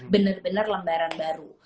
bener bener lembaran baru